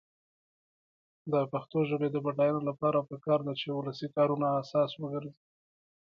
د پښتو ژبې د بډاینې لپاره پکار ده چې ولسي کارونه اساس وګرځي.